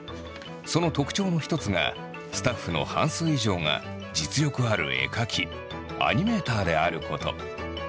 その特徴の一つがスタッフの半数以上が実力ある絵描きアニメーターであること。